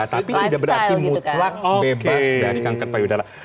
tapi tidak berarti mutlak bebas dari kanker payudara